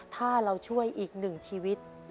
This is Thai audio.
ถ้าเราช่วยอีกหนึ่งชีวิต